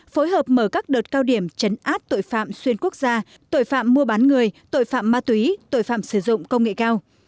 phối hợp mở các đợt cao điểm chấn áp tội phạm xuyên quốc gia tội phạm mua bán người tội phạm ma túy tội phạm sử dụng công nghệ cao